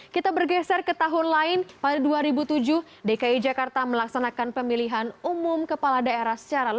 kita bergeser ke tahun lain pada dua ribu tujuh dki jakarta melaksanakan pemilihan umum kepala daerah secara luas